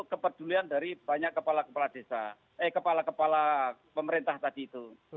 kepedulian dari banyak kepala kepala desa eh kepala kepala pemerintah tadi itu